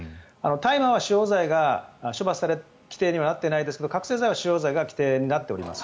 大麻は使用罪が処罰の規定になっていないですが覚醒剤は使用罪が規定になっております。